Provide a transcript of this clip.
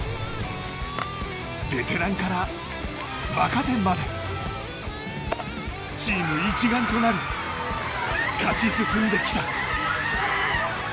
ベテランから若手までチーム一丸となり勝ち進んできた。